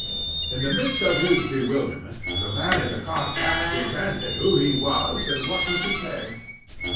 In the midst of his bewilderment, the man in the cocked hat demanded who he was, and what was his name?